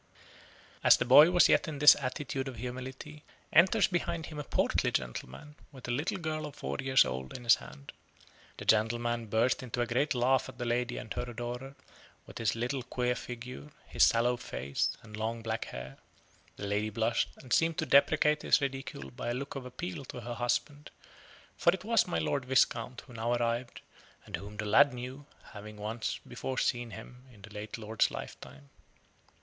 As the boy was yet in this attitude of humility, enters behind him a portly gentleman, with a little girl of four years old in his hand. The gentleman burst into a great laugh at the lady and her adorer, with his little queer figure, his sallow face, and long black hair. The lady blushed, and seemed to deprecate his ridicule by a look of appeal to her husband, for it was my Lord Viscount who now arrived, and whom the lad knew, having once before seen him in the late lord's lifetime.